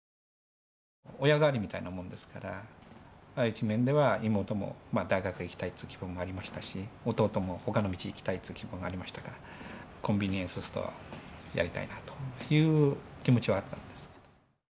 親代わりみたいなもんですからある一面では妹も大学へ行きたいという希望もありましたし弟も他の道行きたいという希望がありましたからコンビニエンスストアをやりたいなという気持ちはあったんです。